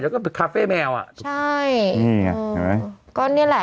แล้วก็เป็นคาเฟ่แมวอ่ะใช่นี่ไงเห็นไหมก็นี่แหละ